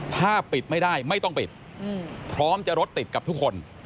ถ้าปิดไม่ได้ไม่ต้องปิดพร้อมจะรถติดกับทุกคน